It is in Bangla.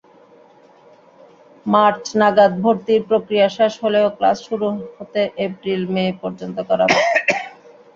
মার্চ নাগাদ ভর্তির প্রক্রিয়া শেষ হলেও ক্লাস শুরু হতে এপ্রিল-মে পর্যন্ত গড়াবে।